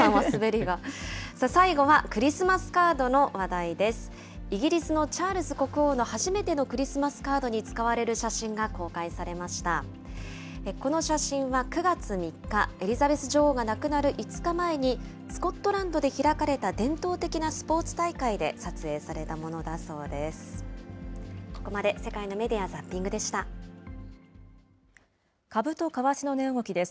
この写真は９月３日、エリザベス女王が亡くなる５日前に、スコットランドで開かれた伝統的なスポーツ大会で撮影されたものだそうです。